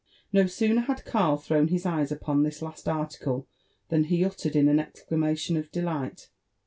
No sooner bad Karl thrown his e^'es upon this last article, than be uttered an exclamation of delight.